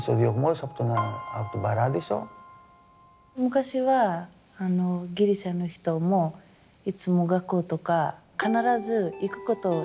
昔はギリシャの人もいつも学校とか必ず行くことじゃなかったですよね。